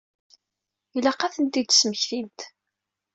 Ilaq ad tent-id-tesmektimt.